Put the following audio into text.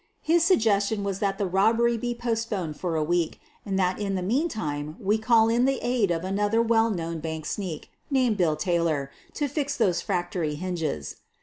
His suggestion was that the robbery be postponed for a week and that in the meantime we call in the aid of another well known bank sneak named Bill Taylor, to fix those refrac tory hinges.